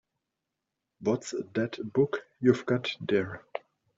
What's that book you've got there?